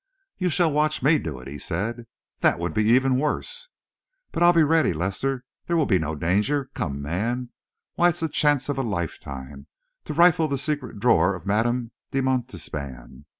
"You shall watch me do it!" he said. "That would be even worse!" "But I'll be ready, Lester. There will be no danger. Come, man! Why, it's the chance of a lifetime to rifle the secret drawer of Madame de Montespan!